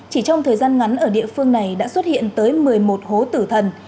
chỉ trong thời gian ngắn ở địa phương này đã xuất hiện tới một mươi một hố tử thần